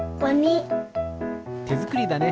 てづくりだね。